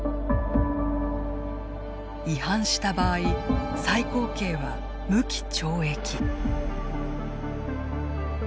違反した場合最高刑は無期懲役。